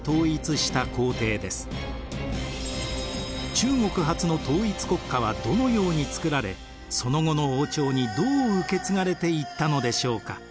中国初の統一国家はどのように作られその後の王朝にどう受け継がれていったのでしょうか？